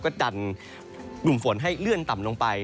ก็ดันกลุ่มฝนให้เลื่อนต่ำลงไป